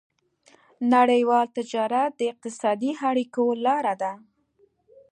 نړيوال تجارت د اقتصادي اړیکو لاره ده.